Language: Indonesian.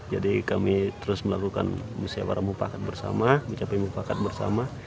jadi kami terus melakukan musyawarah mumpakat bersama mencapai mumpakat bersama